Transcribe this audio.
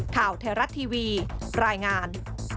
ข่าวไทยรัฐทีวีรายงาน